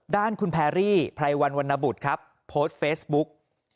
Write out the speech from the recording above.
ด้านคุณแพรรี่ไพรวันวรรณบุตรครับโพสต์เฟซบุ๊ก